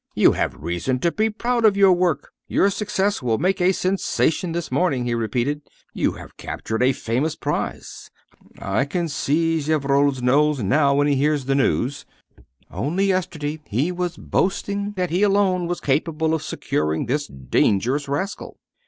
"You have reason to be proud of your work; your success will make a sensation this morning," he repeated. "You have captured a famous prize. I can see Gevrol's nose now when he hears the news. Only yesterday he was boasting that he alone was capable of securing this dangerous rascal."